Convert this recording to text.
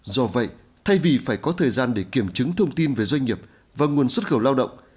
do vậy thay vì phải có thời gian để kiểm chứng thông tin về doanh nghiệp và nguồn xuất khẩu lao động